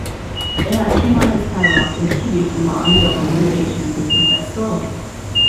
It has streamlined its catalog and distribution while undergoing renovation improvements at store level.